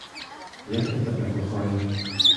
Як я тебе кохаю!